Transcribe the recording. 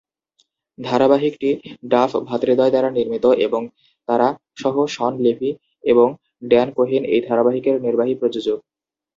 ধারাবাহিকটি Duffer ভ্রাতৃদ্বয় দ্বারা নির্মিত এবং তারা সহ শন লেভি এবং ড্যান কোহেন এই ধারাবাহিকের নির্বাহী প্রযোজক।